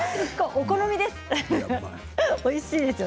お好みですよ。